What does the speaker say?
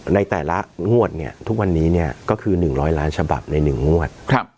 ในแต่ละงวดทุกวันนี้ก็คือ๑๐๐ล้านฉบับใน๑งวด